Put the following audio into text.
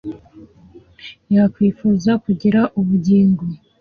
yakwifuza kugira ubugingo